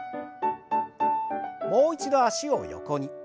もう一度脚を横に。